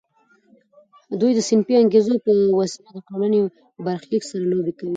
دوی د صنفي انګیزو په وسیله د ټولنې برخلیک سره لوبې کوي